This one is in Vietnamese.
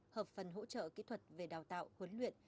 hợp phần hỗ trợ kỹ thuật về đào tạo huấn luyện